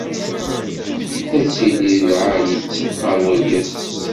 Ad tili d lɛali-tt ɣer urgaz-is.